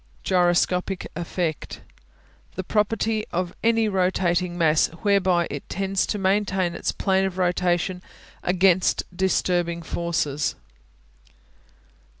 Gyroscopic Effect The property of any rotating mass whereby it tends to maintain its plane of rotation against disturbing forces.